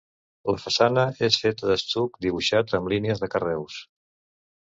La façana és feta d'estuc dibuixat amb línies de carreus.